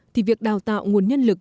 thì việc đào tạo nguồn nhân lực